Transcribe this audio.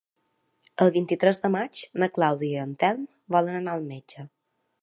El vint-i-tres de maig na Clàudia i en Telm volen anar al metge.